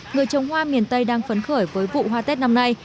người trồng hoa miền tây đang phấn khởi với vụ hoa tết năm nay